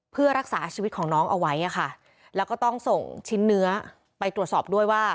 เพื่อรักษาชีวิตของน้องเอาไว้ค่ะแล้วก็ต้องส่งชิ้นเนื้อไปตรวจสอบด้วยว่า